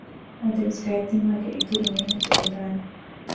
އަދިވެސް ގާތްތިމާގެ އިތުރު މީހުން ތިބެދާނެ